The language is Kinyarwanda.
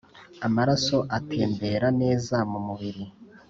amaraso agatembera neza mu mubiri